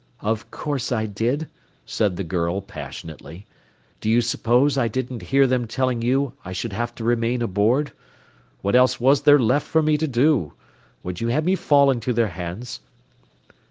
"Of course I did," said the girl, passionately. "Do you suppose I didn't hear them telling you I should have to remain aboard? What else was there left for me to do? Would you have me fall into their hands?"